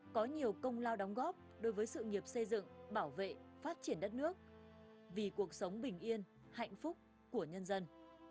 có nhiều công lao đóng góp đối với sự nghiệp xây dựng bảo vệ phát triển đất nước vì cuộc sống bình yên hạnh phúc của nhân dân